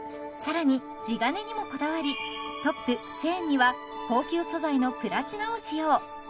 更に地金にもこだわりトップチェーンには高級素材のプラチナを使用